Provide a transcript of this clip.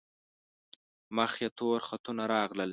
مخ یې تور خطونه راغلل.